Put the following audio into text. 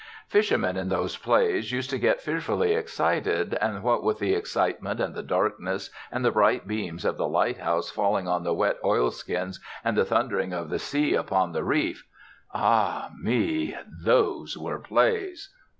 Fishermen in those plays used to get fearfully excited; and what with the excitement and the darkness and the bright beams of the lighthouse falling on the wet oilskins, and the thundering of the sea upon the reef ah! me, those were plays!